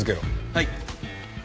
はい。